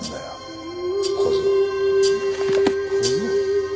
小僧。